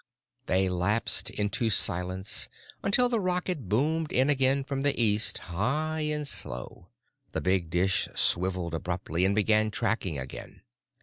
They lapsed into silence until the rocket boomed in again from the east, high and slow. The big dish swiveled abruptly and began tracking again.